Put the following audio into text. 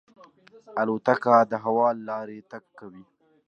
الوتکه د هوا له لارې تګ کوي.